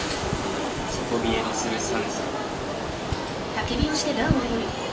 底冷えのする寒さ。